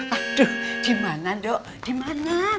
aduh dimana dok dimana